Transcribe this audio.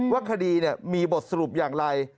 ว่าคดีมีบทสรุปอย่างไร